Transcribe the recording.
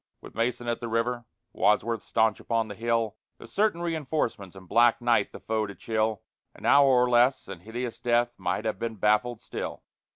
With Mason at the river, Wadsworth staunch upon the hill, The certain reinforcements, and black night the foe to chill, An hour or less and hideous Death might have been baffled still.